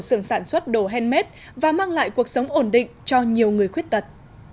sưởng sản xuất đồ handmade và mang lại cuộc sống ổn định cho nhiều người khuyết tật